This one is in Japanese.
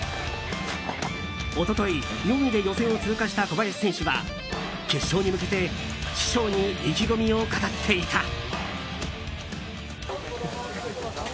一昨日、４位で予選を通過した小林選手は決勝に向けて師匠に意気込みを語っていた。